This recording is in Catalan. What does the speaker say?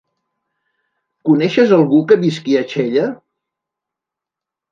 Coneixes algú que visqui a Xella?